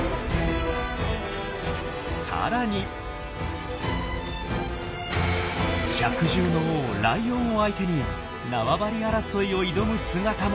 さらに百獣の王ライオンを相手に縄張り争いを挑む姿も。